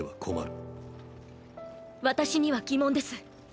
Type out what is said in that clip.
私には疑問です。